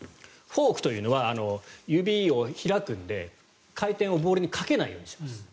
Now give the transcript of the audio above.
フォークというのは指を開くので回転をボールにかけないようにします。